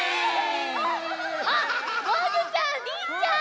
あっもぐちゃんりんちゃん！